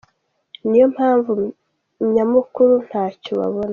Iyi niyo mpamvu nyamukuru ntacyo babona.